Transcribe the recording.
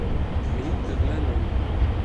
Мин түҙмәнем: